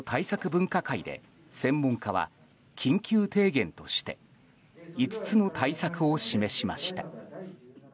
分科会で専門家は緊急提言として５つの対策を示しました。